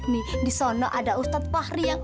nih disono ada ustadz fahri yang